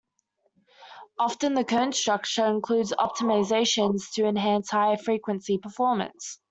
Often the cone structure includes optimizations to enhance high-frequency performance.